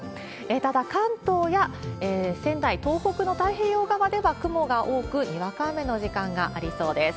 ただ、関東や仙台、東北の太平洋側では雲が多く、にわか雨の時間がありそうです。